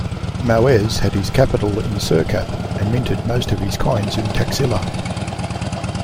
Maues had his capital in Sirkap and minted most of his coins in Taxila.